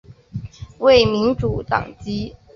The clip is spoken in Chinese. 为民主党籍。